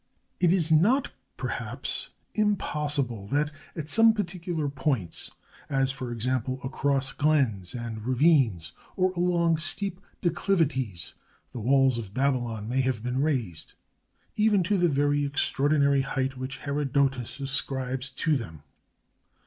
It is not, perhaps, impossible that, at some particular points — as, for example, across glens and ravines, or along steep declivities — the walls of Babylon may have been raised even to the very extraordinary height which Herodotus ascribes to them.